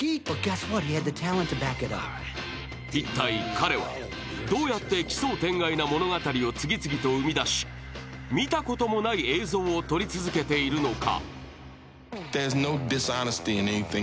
一体彼はどうやって奇想天外な物語を次々と生み出し見たこともない映像を撮り続けているのか。